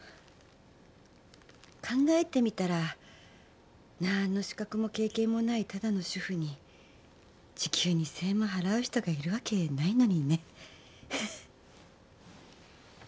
考えてみたら何の資格も経験もないただの主婦に時給２，０００円も払う人がいるわけないのにね。